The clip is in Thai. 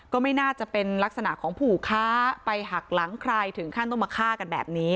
ก็ไม่น่าจะเป็นลักษณะของผู้ค้าไปหักหลังใครถึงขั้นต้องมาฆ่ากันแบบนี้